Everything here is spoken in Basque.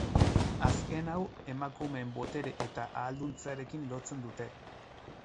Azken hau emakumeen botere eta ahalduntzearekin lotzen dute.